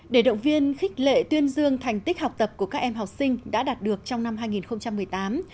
để động viên khích lệ tuyên dương thành tích học tập của các em học sinh đã đạt được trong năm hai nghìn một mươi tám